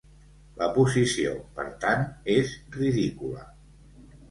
La posició, per tant, és ridícula.